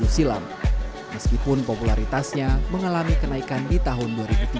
dua ribu tujuh silam meskipun popularitasnya mengalami kenaikan di tahun dua ribu dua ribu tujuh